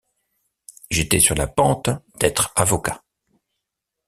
J’étais sur la pente d’être avocat.